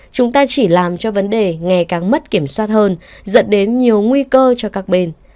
chúng ta chỉ làm cho vấn đề ngày càng mất kiểm soát hơn dẫn đến nhiều nguy cơ cho các bên